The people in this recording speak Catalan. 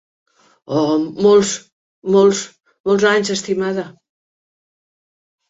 Oh, molts, molts, molts anys, estimada.